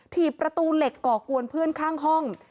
ถีบประตูเหล็กก่อกวนเพื่อนข้างห้อง